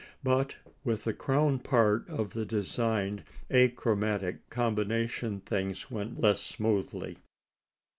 But with the crown part of the designed achromatic combination things went less smoothly.